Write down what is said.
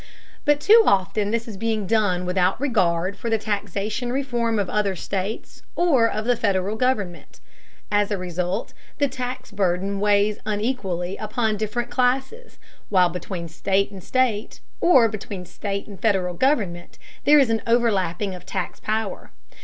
But too often this is being done without regard for the taxation reform of other states or of the Federal government. As a result, the tax burden weighs unequally upon different classes, while between state and state, or between state and Federal government, there is an overlapping of tax power.